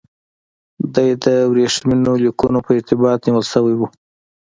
دی د ورېښمینو لیکونو په ارتباط نیول شوی و.